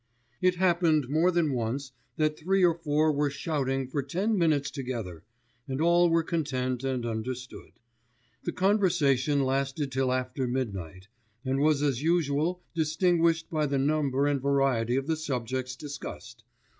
It happened more than once that three or four were shouting for ten minutes together, and all were content and understood. The conversation lasted till after midnight, and was as usual distinguished by the number and variety of the subjects discussed.